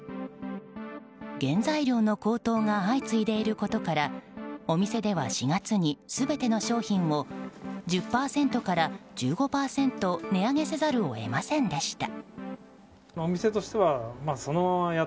原材料の高騰が相次いでいることからお店では４月に全ての商品を１０％から１５％値上げせざるを得ませんでした。